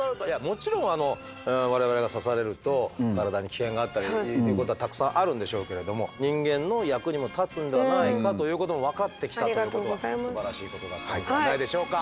もちろんあの我々が刺されると体に危険があったりっていうことはたくさんあるんでしょうけれども人間の役にも立つんではないかということも分かってきたということはすばらしいことだったんではないでしょうか。